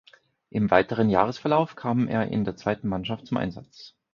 Im weiteren Jahresverlauf kam er in der zweiten Mannschaft zum Einsatz.